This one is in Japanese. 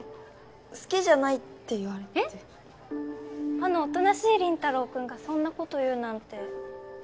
あのおとなしい林太郎君がそんなこと言うなんて。